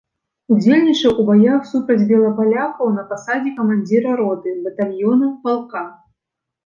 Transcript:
Удзельнічаў у баях супраць белапалякаў на пасадзе камандзіра роты, батальёна, палка.